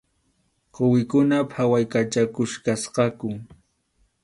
Quwikuna phawaykachaykuchkasqaku.